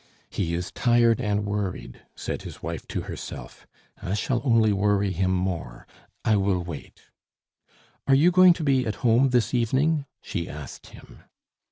"He is tired and worried," said his wife to herself. "I shall only worry him more. I will wait. Are you going to be at home this evening?" she asked him.